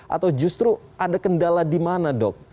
atau justru ada kendala di mana dok